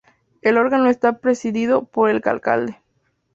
El órgano está presidido por el alcalde.